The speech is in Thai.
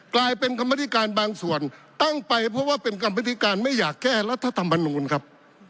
กลายเป็นกรรมธิการบางส่วนตั้งไปเพราะว่าเป็นกรรมพฤติการไม่อยากแก้รัฐธรรมนูลครับ